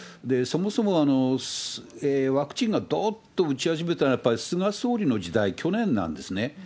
そもそもワクチンがどーっと打ち始めたのはやっぱり菅総理の時代、去年なんですね。